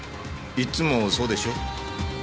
いっつもそうでしょ？